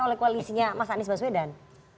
oleh koalisinya mas anies baswedan